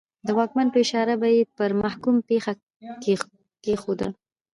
د واکمن په اشاره به یې پر محکوم پښه کېښوده.